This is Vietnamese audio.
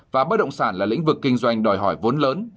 và bất động sản là lĩnh vực kinh doanh đòi hỏi vốn lớn